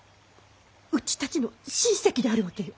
うちたちの親戚であるわけよ。